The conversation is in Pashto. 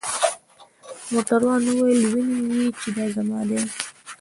موټروان وویل: وینې يې؟ چې دا زما ده.